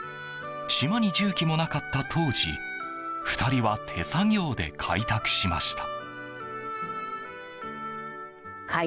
島に重機もなかった当時２人は手作業で開拓しました。